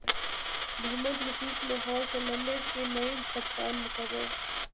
محمد حفیظ لاہور قلندرز کے نئے کپتان مقرر